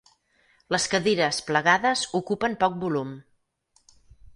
Les cadires plegades ocupen poc volum.